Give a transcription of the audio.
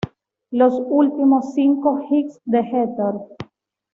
Los últimos cinco hits de Jeter.